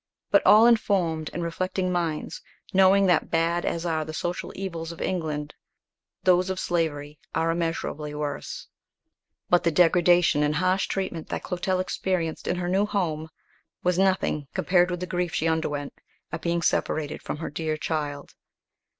But all informed and reflecting minds, knowing that bad as are the social evils of England, those of Slavery are immeasurably worse." But the degradation and harsh treatment that Clotel experienced in her new home was nothing compared with the grief she underwent at being separated from her dear child.